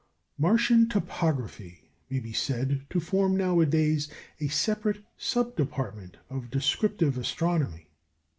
Martian topography may be said to form nowadays a separate sub department of descriptive astronomy.